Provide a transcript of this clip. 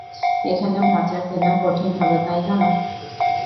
এখানে ভাজা কেনা কঠিন হবে, তাই না?